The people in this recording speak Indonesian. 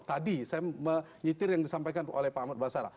tadi saya mengitir yang disampaikan oleh pak amat basara